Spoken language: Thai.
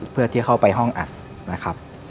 เพื่อที่เข้าไปห้องอัดนะครับ